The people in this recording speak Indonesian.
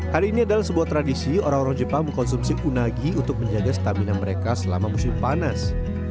hari ini adalah sebuah tradisi orang orang jepang mengkonsumsi unagi untuk menjaga stamina mereka selama musim panas